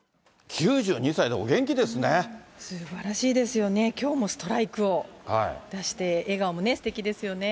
すばらしいですよね、きょうもストライクを出して笑顔もね、すてきですよね。